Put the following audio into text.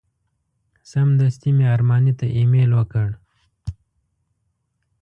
سمدستي مې ارماني ته ایمیل ورکړ.